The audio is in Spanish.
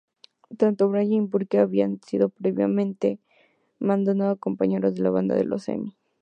Tanto Bray y Burke había sido previamente Madonna compañeros de banda en los Emmy.